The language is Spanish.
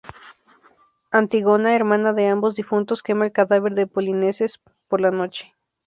Antígona, hermana de ambos difuntos, quema el cadáver de Polinices por la noche.